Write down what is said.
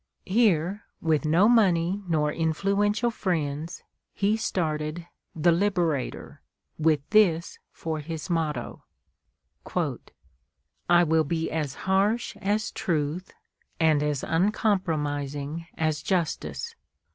Here, with no money nor influential friends, he started the "Liberator," with this for his motto, "I will be as harsh as truth and as uncompromising as justice.